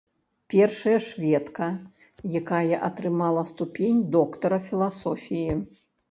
Першая шведка, якая атрымала ступень доктара філасофіі.